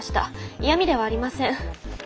嫌みではありません。